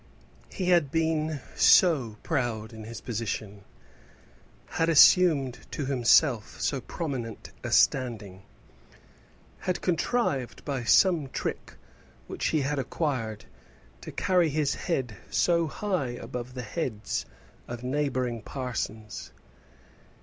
He had been so proud in his position had assumed to himself so prominent a standing had contrived, by some trick which he had acquired, to carry his head so high above the heads of neighbouring parsons.